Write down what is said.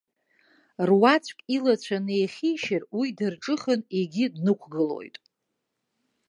Руаӡәк илацәа неихьишьыр, уи дырҿыхан егьи днықәгылоит.